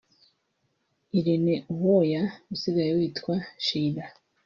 Irene Uwoya [usigaye witwa Sheilla]